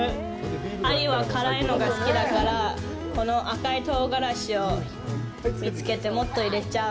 アリは辛いのが好きだから、この赤い唐がらしを見つけてもっと入れちゃう。